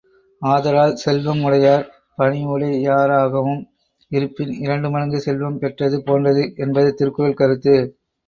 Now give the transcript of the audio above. ஆதலால், செல்வம் உடையார் பணிவுடையாராகவும் இருப்பின் இரண்டு மடங்கு செல்வம் பெற்றது போன்றது என்பது திருக்குறள் கருத்து.